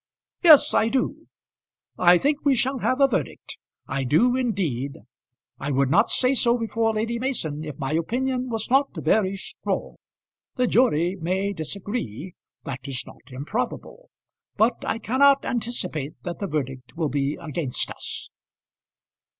"Yes, I do. I think we shall have a verdict; I do, indeed. I would not say so before Lady Mason if my opinion was not very strong. The jury may disagree. That is not improbable. But I cannot anticipate that the verdict will be against us."